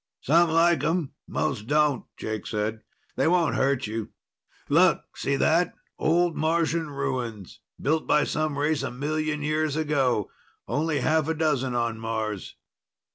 "Some like 'em, most don't," Jake said. "They won't hurt you. Look see that? Old Martian ruins. Built by some race a million years ago. Only half a dozen on Mars."